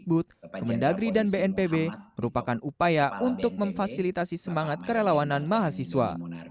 kemendagri dan bnpb merupakan upaya untuk memfasilitasi semangat kerelawanan mahasiswa